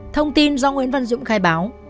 thông tin do nguyễn văn dũng khai báo